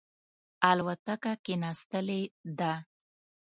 الوتکه کښېنستلې ده.